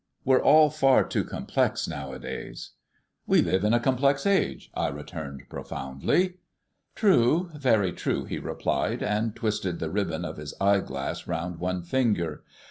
We're all far too complex nowadays." "We live in a complex age," I returned profoundly. "True, very true," he replied, and twisted the ribbon of his eyeglass round one finger.